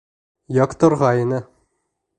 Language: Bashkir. Яҡтырғайны.